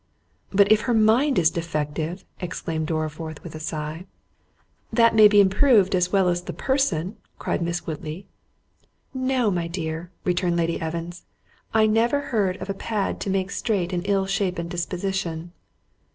"But if her mind is defective"—exclaimed Dorriforth, with a sigh—— "That may be improved as well as the person," cried Miss Woodley. "No, my dear," returned Lady Evans, "I never heard of a pad to make straight an ill shapen disposition."